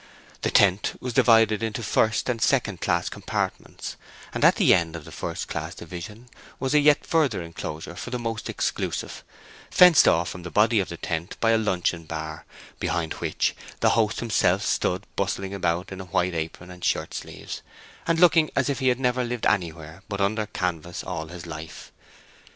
The tent was divided into first and second class compartments, and at the end of the first class division was a yet further enclosure for the most exclusive, fenced off from the body of the tent by a luncheon bar, behind which the host himself stood bustling about in white apron and shirt sleeves, and looking as if he had never lived anywhere but under canvas all his life.